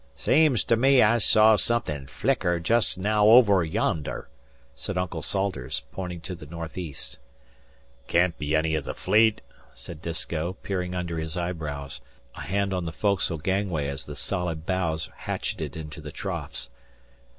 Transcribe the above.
"Seems to me I saw somethin' flicker jest naow over yonder," said Uncle Salters, pointing to the northeast. "Can't be any of the fleet," said Disko, peering under his eyebrows, a hand on the foc'sle gangway as the solid bows hatcheted into the troughs.